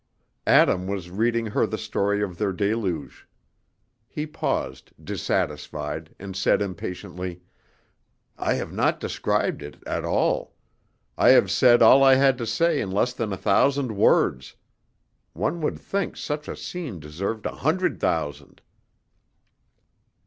Adam was reading her the story of their deluge. He paused, dissatisfied, and said impatiently, "I have not described it at all. I have said all I had to say in less than a thousand words; one would think such a scene deserved a hundred thousand."